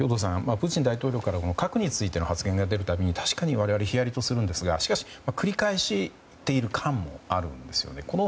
プーチン大統領からも核についての発言が出るたび確かに我々はヒヤリとするんですがしかし、繰り返している感もあるんですよね。